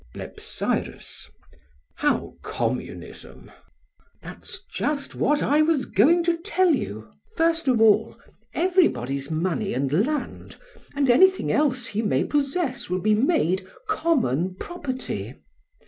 BLEPSYRUS. How communism? PRAX. That's just what I was going to tell you. First of all, everybody's money and land and anything else he may possess will be made common property.